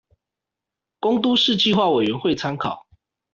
供都市計畫委員會參考